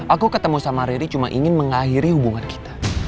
aku ketemu sama riri cuma ingin mengakhiri hubungan kita